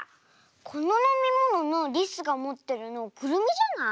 こののみもののりすがもってるのくるみじゃない？